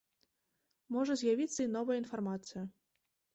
Можа з'явіцца і новая інфармацыя.